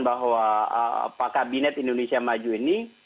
bahwa kabinet indonesia maju ini